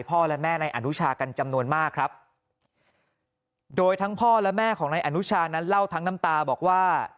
และแม่ในอนุชากันจำนวนมากครับโดยทั้งพ่อและแม่ของนายอนุชานั้นเล่าทั้งน้ำตาบอกว่า